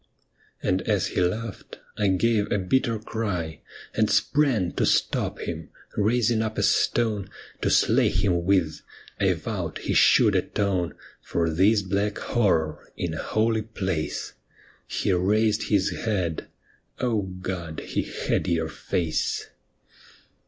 And as he laughed, I gave a bitter cry And sprang to stop him ; raising up a stone To slay him with, I vowed he should atone For this black horror, in a holy place. He raised his head — O God, he had your face